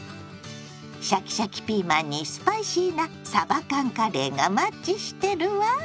シャキシャキピーマンにスパイシーなさば缶カレーがマッチしてるわ。